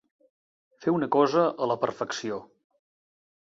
Fer una cosa a la perfecció.